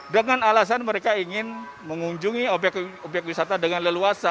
dengan alasan mereka ingin mengunjungi obyek obyek wisata dengan leluasa